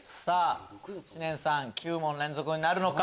知念さん９問連続になるのか？